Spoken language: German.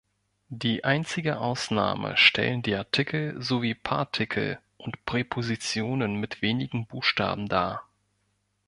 Die einzige Ausnahme stellen die Artikel sowie Partikel und Präpositionen mit wenigen Buchstaben dar.